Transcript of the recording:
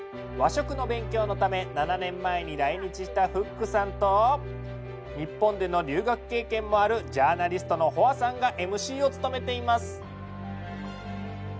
和食の勉強のため７年前に来日したフックさんと日本での留学経験もあるジャーナリストのホアさんがＭＣを務めています。